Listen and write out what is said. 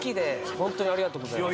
ホントにありがとうございます。